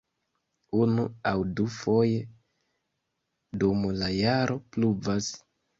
Unu- aŭ dufoje dum la jaro pluvas.